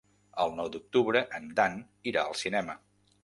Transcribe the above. El nou d'octubre en Dan irà al cinema.